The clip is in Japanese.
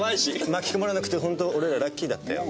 巻き込まれなくてほんと俺らラッキーだったよ。